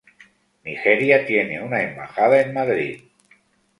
Nigeria tiene una embajada en Madrid.